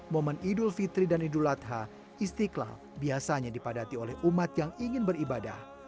momen idul fitri dan idul adha istiqlal biasanya dipadati oleh umat yang ingin beribadah